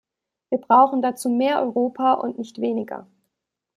Wir brauchen dazu mehr Europa und nicht weniger.